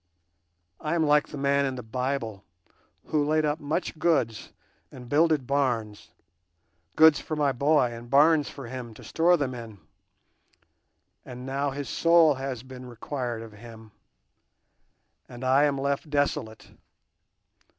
"I am like the man in the Bible who laid up much goods and builded barns—goods for my boy and barns for him to store them in; and now his soul has been required of him, and I am left desolate.